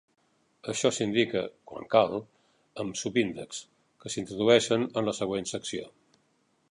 Això s'indica, quan cal, amb subíndexs, que s'introdueixen en la següent secció.